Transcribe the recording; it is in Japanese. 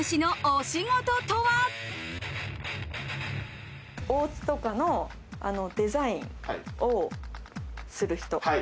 おうちとかのデザインをする人。